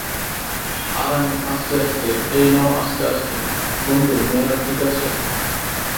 আরামে আস্তে আস্তে এই নাও আস্তে আস্তে, বন্ধু মেয়েরা ঠিক আছে?